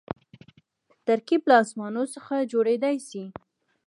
ترکیب له اسمونو څخه جوړېدای سي.